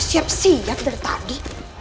siap siap dari tadi